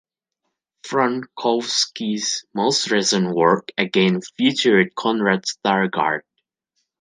Frankowski's most recent work again featured Conrad Stargard.